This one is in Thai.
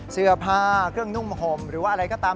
เสื้อผ้าเครื่องนุ่มห่มหรือว่าอะไรก็ตาม